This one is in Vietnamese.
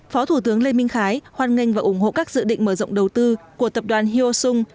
phó thủ tướng lê minh khái hoan nghênh và ủng hộ các dự định mở rộng đầu tư của tập đoàn hyo sung